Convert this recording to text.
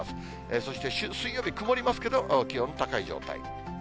そして、水曜日、曇りますけど気温高い状態。